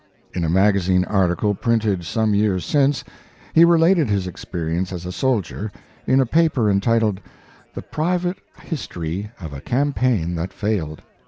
In a magazine article printed some years since he related his experiences as a soldier, in a paper entitled "The Pri 38 Mark Twain vate History of a Campaign that Failed."